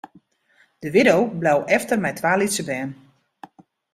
De widdo bleau efter mei twa lytse bern.